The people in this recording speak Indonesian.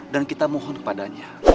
dan kita mohon kepadanya